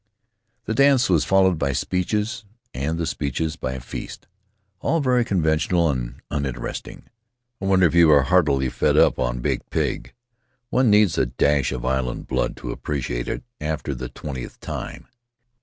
The dance was followed by speeches, and the speeches by a feast — all very conventional and iminteresting. I wonder if you are heartily fed up on baked pig. One needs a dash of Island blood to appreciate it after the twentieth time!